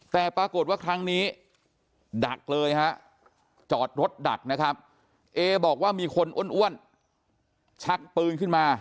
แต่ปรากฏว่าครั้งนี้ดักเลยฮะจอดรถดักนะครับเอบอกว่ามีคนอ้วนชักปืนขึ้นมา